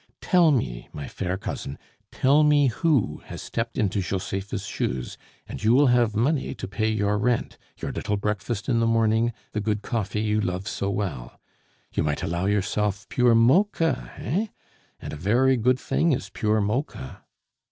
Tell me, my fair cousin, tell me who has stepped into Josepha's shoes, and you will have money to pay your rent, your little breakfast in the morning, the good coffee you love so well you might allow yourself pure Mocha, heh! And a very good thing is pure Mocha!"